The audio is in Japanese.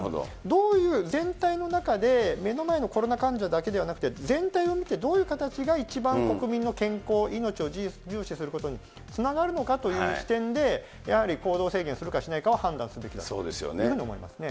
どういう全体の中で目の前のコロナ患者だけではなくて、全体を見て、どういう形が一番国民の健康、命を重視することにつながるのかという視点で、やはり行動制限するかしないかを判断するべきだというふうに思いそうですよね。